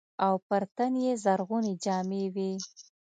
او پر تن يې زرغونې جامې وې.